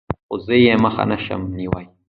خو زه يې مخه نشم نيوى.